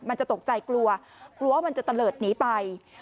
มันจะตกใจกลัวกลัวว่ามันจะตะเลิศหนีไป